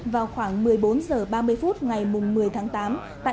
vào khoảng ngày hôm nay nguyễn thanh liêm sinh năm một nghìn chín trăm bảy mươi năm